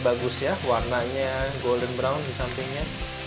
bagus ya warnanya golden brown di sampingnya